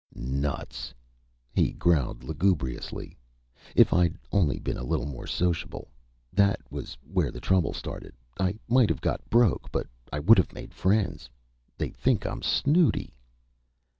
"Nuts!" he growled lugubriously. "If I'd only been a little more sociable.... That was where the trouble started. I might have got broke, but I would've made friends. They think I'm snooty."